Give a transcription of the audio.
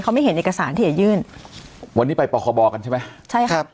เขาไม่เห็นเอกสารที่จะยื่นวันนี้ไปปคบกันใช่ไหมใช่ครับ